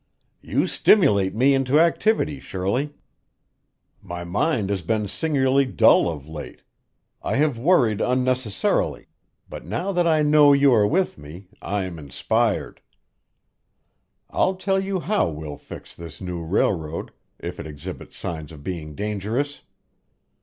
"You stimulate me into activity, Shirley. My mind has been singularly dull of late; I have worried unnecessarily, but now that I know you are with me, I am inspired. I'll tell you how we'll fix this new railroad, if it exhibits signs of being dangerous."